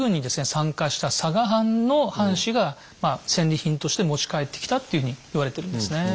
参加した佐賀藩の藩主が戦利品として持ち帰ってきたっていうふうに言われてるんですね。